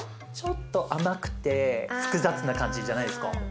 ちょっと甘くて複雑な感じじゃないですか？